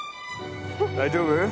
大丈夫？